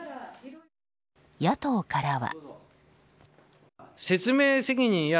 野党からは。